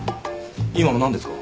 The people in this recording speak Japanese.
今の何ですか？